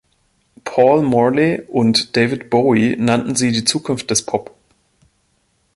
Paul Morley und David Bowie nannten sie „die Zukunft des Pop“.